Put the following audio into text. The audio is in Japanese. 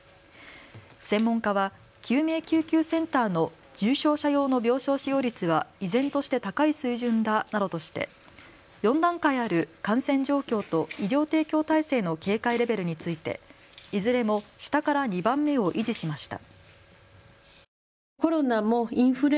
専門家は救命救急センターの重症者用の病床使用率は依然として高い水準だなどとして４段階ある感染状況と医療提供体制の警戒レベルについていずれも下から２番目を維持しました。